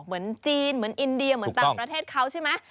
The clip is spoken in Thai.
เหมือนจีนเหมือนอินเดียเหมือนต่างประเทศเขาใช่ไหม